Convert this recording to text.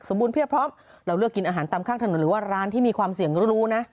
บูรณเพียบพร้อมเราเลือกกินอาหารตามข้างถนนหรือว่าร้านที่มีความเสี่ยงรู้นะ